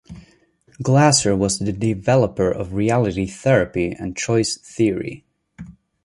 Glasser was the developer of reality therapy and choice theory.